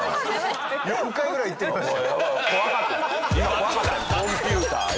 ４回ぐらい言ってましたよ。